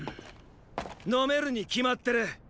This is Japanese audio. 飲めるに決まってる。